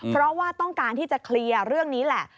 เพราะว่าต้องการที่จะเคลียร์เรื่องนี้แหละ